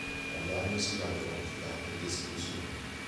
La diagnosi radiologica è d'esclusione.